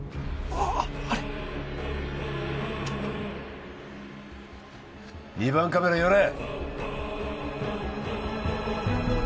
あっあれ２番カメラ寄れ！